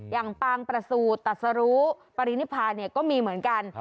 ปางประสูจน์ตัดสรูปรินิพาเนี่ยก็มีเหมือนกัน